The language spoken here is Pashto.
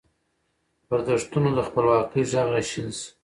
پر دښتونو د خپلواکۍ ږغ را شین شي